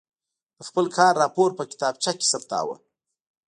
د خپل کار راپور په کتابچه کې ثبتاوه.